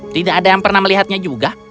tidak ada yang pernah melihatnya juga